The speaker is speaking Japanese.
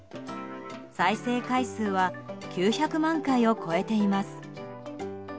再生回数は９００万回を超えています。